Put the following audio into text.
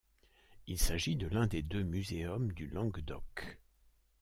Il s'agit de l'un des deux muséums du Languedoc.